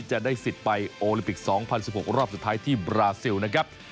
จะได้สิทธิ์ไปโอลิมปิก๒๐๑๖รอบสุดท้ายที่บราซิลนะครับ